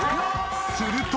［すると］